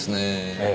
ええ。